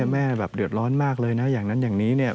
แม่แบบเดือดร้อนมากเลยนะอย่างนั้นอย่างนี้เนี่ย